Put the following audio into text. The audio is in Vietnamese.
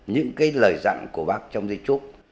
những lời dặn của bác trong di trúc